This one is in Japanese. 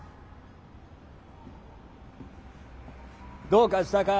どうかしたか？